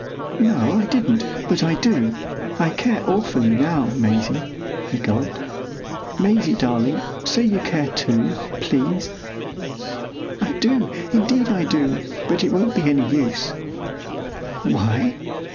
"No, I didn't; but I do,—I care awfully now, Maisie," he gulped,—"Maisie, darling, say you care too, please." "I do, indeed I do; but it won't be any use." "Why?"